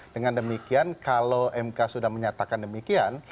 dengan demikian kalau mk sudah menyatakan demikian